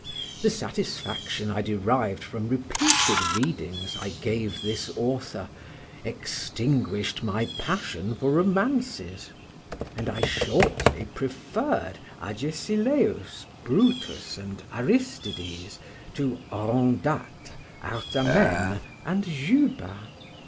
The satisfaction I derived from repeated readings I gave this author, extinguished my passion for romances, and I shortly preferred Agesilaus, Brutus, and Aristides, to Orondates, Artemenes, and Juba.